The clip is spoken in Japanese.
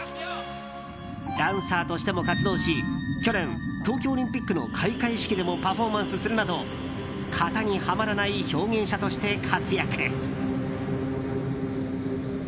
ダンサーとしても活動し去年、東京オリンピックの開会式でもパフォーマンスするなど型にはまらない表現者として活躍。